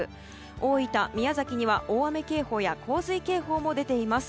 大分、宮崎には大雨警報や洪水警報が出ています。